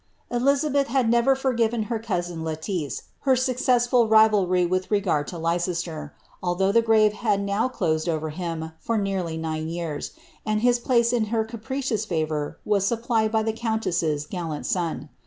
EliKabeth had never forgiven nti luusui Letiice her successfid rinlty wilh regard lo Leicester, allhough the grave had now closed ovei liiia for neiirly nine yeurs, and his place iu her capricious favour was supplied by the countess's gallant son.